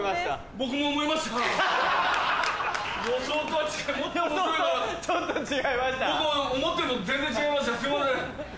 僕も思ってるのと全然違いました